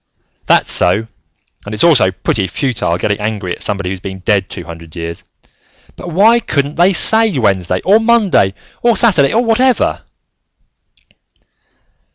"That's so, and it's also pretty futile getting angry at somebody who's been dead two hundred years, but why couldn't they say Wednesday, or Monday, or Saturday, or whatever?"